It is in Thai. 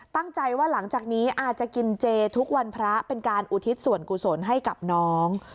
ตั้งใจว่าหลังจากนี้อาจจะกินเจทุกวันพระเป็นการอุทิศส่วนกุศลให้กับน้อง